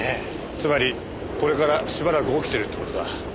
つまりこれからしばらく起きてるって事だ。